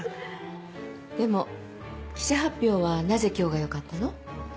でも記者発表はなぜ今日がよかったの？